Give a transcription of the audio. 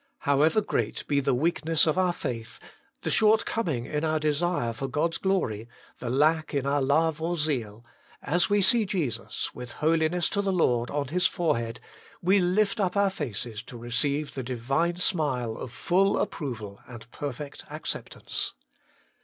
However great be the weakness of our faith, the shortcoming in our desire for God's glory, the lack in our love or zeal, as we see Jesus, with Holiness to the Lord on His forehead, we lift up our faces to receive the Divine smile of full approval and perfect acceptance.